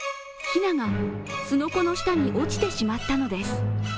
ひなが、すのこの下に落ちてしまったのです。